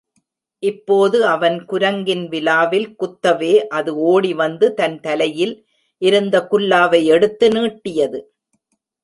இப்போது அவன் குரங்கின் விலாவில் குத்தவே அது ஓடிவந்து தன் தலையில் இருந்த குல்லாவை எடுத்து நீட்டியது.